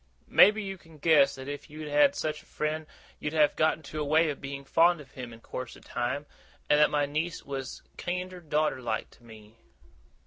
Maybe you can guess that if you'd had such a friend, you'd have got into a way of being fond of him in course of time, and that my niece was kiender daughter like to me.